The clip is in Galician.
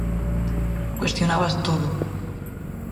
Cuestionabas todo.